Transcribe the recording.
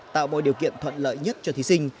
tạo mọi điều kiện thuận lợi nhất cho thí sinh